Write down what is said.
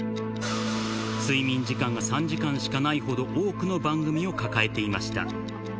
睡眠時間が３時間しかないほど、多くの番組を抱えていました。